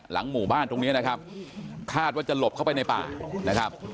หมู่บ้านตรงนี้นะครับคาดว่าจะหลบเข้าไปในป่านะครับ